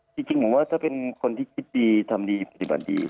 จริงผมว่าถ้าเป็นคนที่คิดดีทำดีปฏิบัติดี